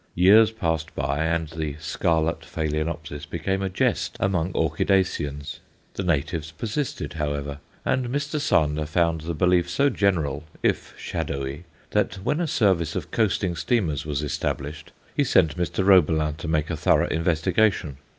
Years passed by and the scarlet Phaloenopsis became a jest among orchidaceans. The natives persisted, however, and Mr. Sander found the belief so general, if shadowy, that when a service of coasting steamers was established, he sent Mr. Roebelin to make a thorough investigation.